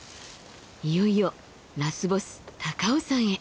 いよいよラスボス高尾山へ。